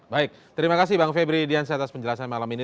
baik terima kasih bang febri diansyah atas penjelasan malam ini